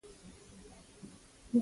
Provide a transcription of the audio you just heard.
ټول برهمنان یې ووژل.